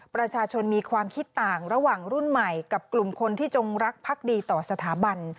ประชาชนมีความคิดต่างระหว่างรุ่นใหม่กับกลุ่มคนที่จงรักพักดีต่อสถาบัน